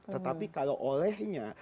tetapi kalau olehnya